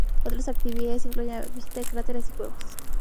Otras actividades incluyen la visita de cráteres y cuevas.